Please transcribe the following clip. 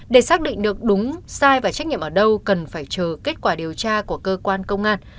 để xác định được đúng sai và trách nhiệm ở đâu cần phải chờ kết quả điều tra của cơ quan công an